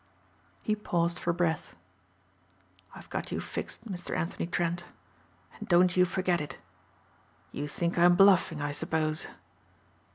He paused for breath, "I've got you fixed, Mister Anthony Trent, and don't you forget it. You think I'm bluffing I suppose."